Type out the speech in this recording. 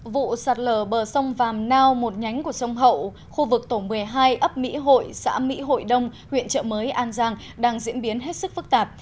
vụ sạt lở bờ sông vàm nao một nhánh của sông hậu khu vực tổ một mươi hai ấp mỹ hội xã mỹ hội đông huyện trợ mới an giang đang diễn biến hết sức phức tạp